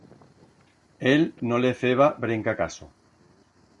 Él no le feba brenca caso.